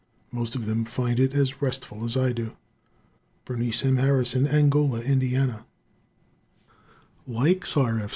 Most of them find it as restful as I do. Berenice M. Harrison, Angola, Ind. _Likes R. F.